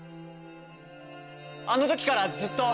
あの時からずっと。